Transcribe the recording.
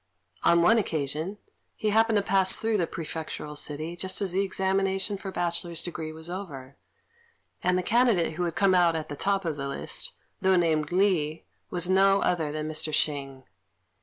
On one occasion, he happened to pass through the prefectural city just as the examination for bachelor's degree was over; and the candidate who had come out at the top of the list, though named Li, was no other than Mr. Hsing.